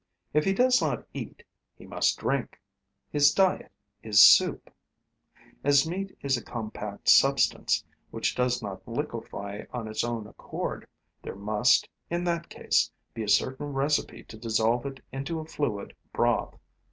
If he does not eat, he must drink; his diet is soup. As meat is a compact substance, which does not liquefy of its own accord, there must, in that case, be a certain recipe to dissolve it into a fluid broth.